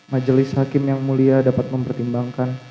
majelis hakim yang mulia dapat mempertimbangkan